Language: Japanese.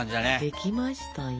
できましたよ。